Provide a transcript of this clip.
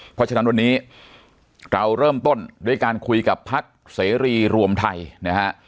เพราะฉะนั้นวันนี้เราเริ่มต้นด้วยการคุยกับพักเสรีรวมไทยนะฮะ